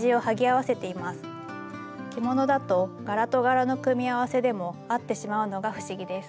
着物だと柄と柄の組み合わせでも合ってしまうのが不思議です。